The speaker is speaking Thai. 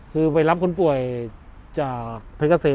คือไปรับคนป่วยจากพุทธมนตรสาย๑